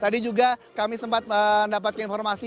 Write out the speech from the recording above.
tadi juga kami sempat mendapat informasi